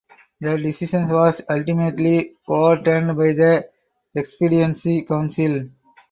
The decision was ultimately overturned by the Expediency Council.